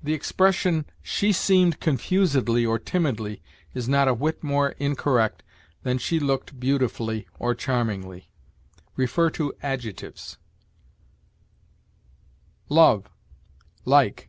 The expression, "She seemed confusedly, or timidly," is not a whit more incorrect than "She looked beautifully, or charmingly." See ADJECTIVES. LOVE LIKE.